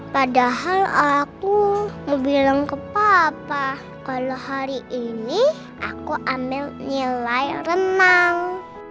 padahal aku mau bilang ke papa kalau hari ini aku ambil nilai renang